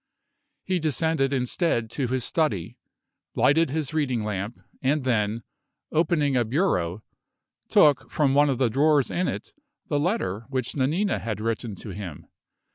He descended instead to his study, lighted his reading lamp, and then, opening a bureau, took from one of the drawers in it the letter which Nanina had written to him.